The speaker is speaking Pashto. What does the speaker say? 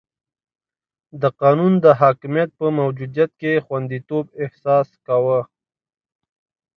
د قانون د حاکمیت په موجودیت کې خونديتوب احساس کاوه.